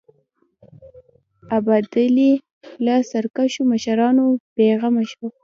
ابدالي له سرکښو مشرانو بېغمه شو.